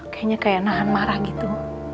kayaknya kayak nahan marah gitu